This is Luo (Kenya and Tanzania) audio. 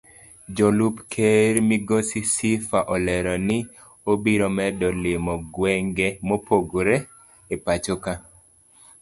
Jalup ker migosi Sifa olero ni obiro medo limo gwenge mopogore epachoka.